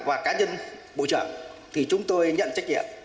và cá nhân bộ trưởng thì chúng tôi nhận trách nhiệm